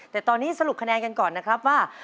แต่ตอนนี้สรุปคะแนนกันก่อนนะครับว่า